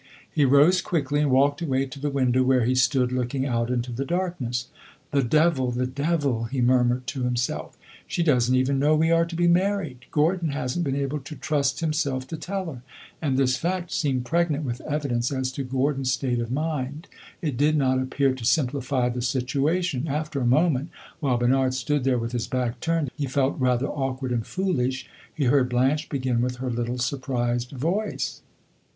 He rose quickly and walked away to the window where he stood looking out into the darkness. "The devil the devil!" he murmured to himself; "she does n't even know we are to be married Gordon has n't been able to trust himself to tell her!" And this fact seemed pregnant with evidence as to Gordon's state of mind; it did not appear to simplify the situation. After a moment, while Bernard stood there with his back turned he felt rather awkward and foolish he heard Blanche begin with her little surprised voice.